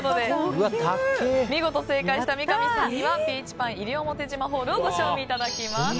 見事正解した三上さんにはピーチパイン西表島をご賞味いただきます。